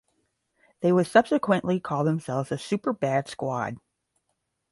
They would subsequently call themselves The Superbad Squad.